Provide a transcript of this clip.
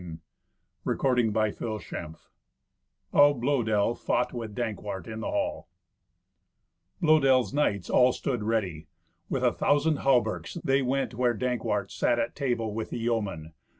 Thirty Second Adventure How Blœdel Fought With Dankwart in the Hall Blœdel's knights all stood ready. With a thousand hauberks they went where Dankwart sat at table with the yeomen.